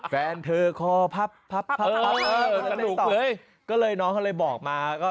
แฟนเธอคอพับพับสนุกเลยก็เลยน้องเขาเลยบอกมาก็